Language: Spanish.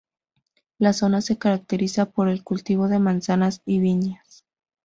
La zona se caracteriza por el cultivo de manzanas y viñas.